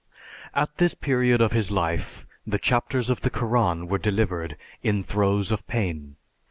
At this period of his life the chapters of the Koran were delivered in throes of pain.